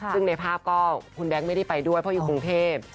ซึ่งในภาพก็คุณแบงค์ไม่ได้ไปด้วยเพราะอยู่กรุงเทพ